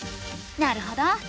なるほど。